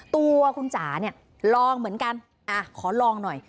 ตัวคุณจ๋าเนี่ยลองเหมือนกันขอลองหน่อย